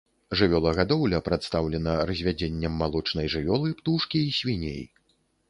Жывёлагадоўля прадстаўлена развядзеннем малочнай жывёлы, птушкі і свіней.